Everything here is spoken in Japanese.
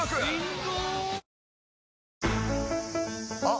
あ！